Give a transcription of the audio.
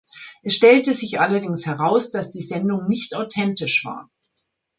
Es stellte sich allerdings heraus, dass die Sendung nicht authentisch war.